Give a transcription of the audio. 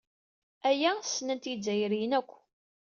Aya ssnen-t Yizzayriyen akk.